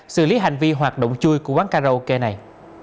xử lý hành vi hoạt động chui của quán karaoke này